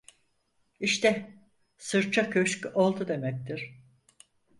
İşte, sırça köşk oldu demektir.